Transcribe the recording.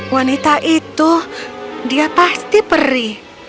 wanita itu pasti perih